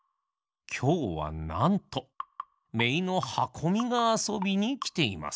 きょうはなんとめいのはこみがあそびにきています。